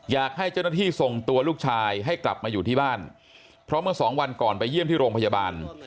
อยากให้เจ้าหน้าที่ส่งตัวลูกชายให้กลับมาอยู่ที่บ้านเพราะเมื่อสองวันก่อนไปเยี่ยมที่โรงพยาบาล